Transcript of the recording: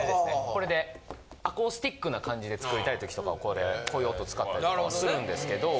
これでアコースティックな感じで作りたい時とかはこれでこういう音使ったりとかはするんですけど。